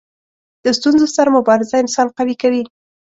د ستونزو سره مبارزه انسان قوي کوي.